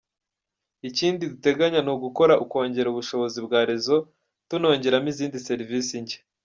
Ikindi dutegenya gukora ni ukongera ubushobozi bwa réseau tunongeramo izindi serivisi nshya.